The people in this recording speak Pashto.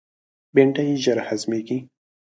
بېنډۍ ژر هضمیږي